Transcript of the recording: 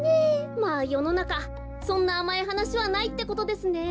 まあよのなかそんなあまいはなしはないってことですね。